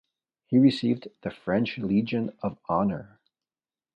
He received the French Legion of Honour.